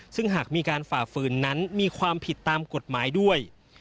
ซึ่งหากมีการฝ่าฝืนนั้นมีความผิดตามกฎหมายด้วย